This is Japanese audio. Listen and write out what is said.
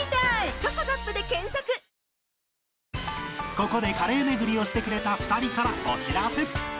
ここでカレー巡りをしてくれた２人からお知らせ